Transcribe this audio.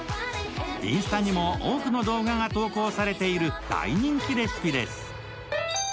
インスタにも多くの動画が投稿されている大人気レシピです。